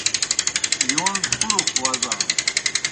یون پُرَخ وزانوْ۔